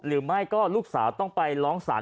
หรือไม่ก็ลูกสาวต้องไปร้องศาล